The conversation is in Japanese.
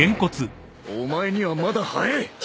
お前にはまだ早え。